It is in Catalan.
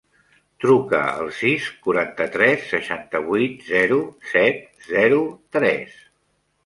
Truca al sis, quaranta-tres, seixanta-vuit, zero, set, zero, tres.